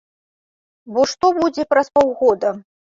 Бо што будзе праз паўгода?